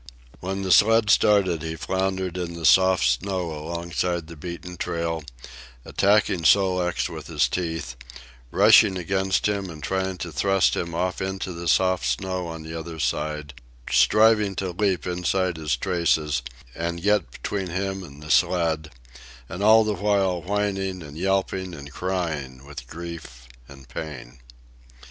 When the sled started, he floundered in the soft snow alongside the beaten trail, attacking Sol leks with his teeth, rushing against him and trying to thrust him off into the soft snow on the other side, striving to leap inside his traces and get between him and the sled, and all the while whining and yelping and crying with grief and pain.